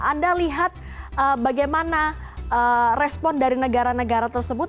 anda lihat bagaimana respon dari negara negara tersebut